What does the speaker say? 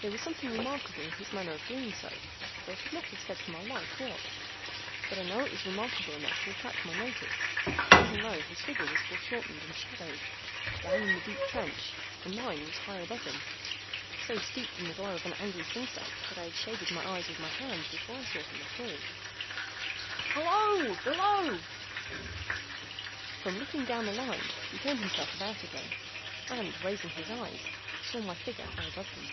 There was something remarkable in his manner of doing so, though I could not have said for my life what. But I know it was remarkable enough to attract my notice, even though his figure was foreshortened and shadowed, down in the deep trench, and mine was high above him, so steeped in the glow of an angry sunset, that I had shaded my eyes with my hand before I saw him at all. "Halloa! Below!" From looking down the Line, he turned himself about again, and, raising his eyes, saw my figure high above him.